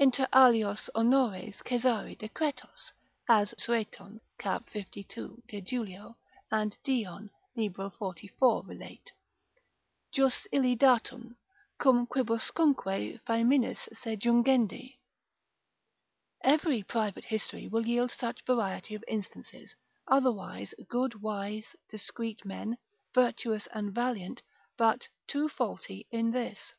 Inter alios honores Caesari decretos (as Sueton, cap. 52. de Julio, and Dion, lib. 44. relate) jus illi datum, cum quibuscunque faeminis se jungendi. Every private history will yield such variety of instances: otherwise good, wise, discreet men, virtuous and valiant, but too faulty in this.